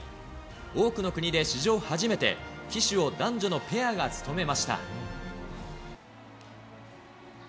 多くの国で史上初めて、旗手を男女のペアが務めました。